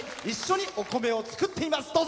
一緒にお米を作っています。